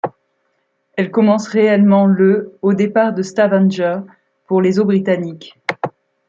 Elle commence réellement le au départ de Stavanger pour les eaux britanniques.